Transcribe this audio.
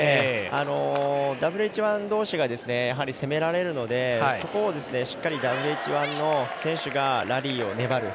ＷＨ１どうしが攻められるのでそこを、しっかりＷＨ１の選手がラリーを粘る。